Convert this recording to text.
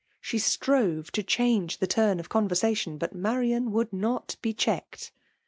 She strove td dbange the turn of conversation ; but Marian would not be checked.